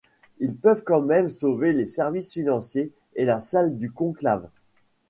Ils peuvent quand même sauver les services financiers et la salle du conclave.